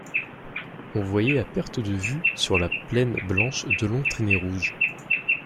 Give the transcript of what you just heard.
On voyait à perte de vue sur la plaine blanche de longues traînées rouges.